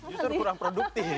justru kurang produktif